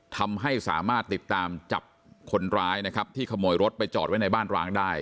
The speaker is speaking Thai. ทำให้สามารถติดตามจับคนร้ายนะครับที่ขโมยรถไปจอดไว้ในบ้านร้างได้